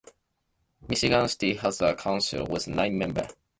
Michigan City has a Council with nine members.